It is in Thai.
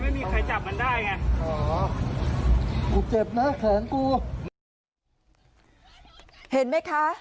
ไม่มีใครจับมันได้ไงอ๋อกูเจ็บเนอะของกูเห็นไหมคะ